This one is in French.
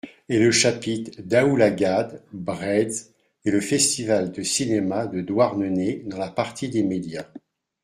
Et le chapitre Daoulagad Breizh et le Festival de cinéma de Douarnenez dans la partie des Médias.